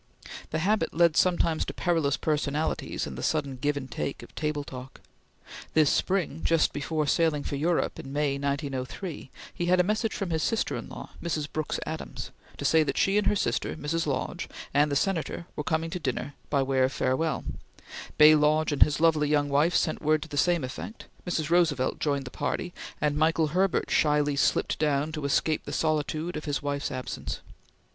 The habit led sometimes to perilous personalities in the sudden give and take of table talk. This spring, just before sailing for Europe in May, 1903, he had a message from his sister in law, Mrs. Brooks Adams, to say that she and her sister, Mrs. Lodge, and the Senator were coming to dinner by way of farewell; Bay Lodge and his lovely young wife sent word to the same effect; Mrs. Roosevelt joined the party; and Michael Herbert shyly slipped down to escape the solitude of his wife's absence.